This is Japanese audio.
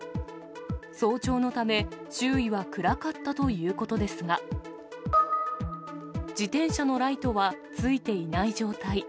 早朝のため、周囲は暗かったということですが、自転車のライトはついていない状態。